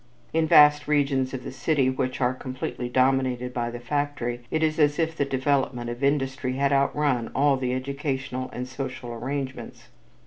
In vast regions of the city which are completely dominated by the factory, it is as if the development of industry had outrun all the educational and social arrangements.